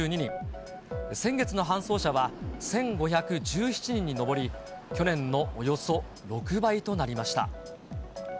先月の搬送者は１５１７人に上り、去年のおよそ６倍となりました。